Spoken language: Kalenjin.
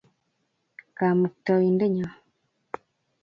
Kamukta-indennyo.